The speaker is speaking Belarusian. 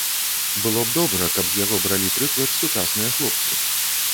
Было б добра, каб з яго бралі прыклад сучасныя хлопцы.